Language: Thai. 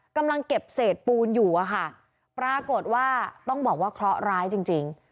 กำลังเก็บเศษปูนอยู่อะค่ะปรากฏว่าต้องบอกว่าเคราะห์ร้ายจริงจริง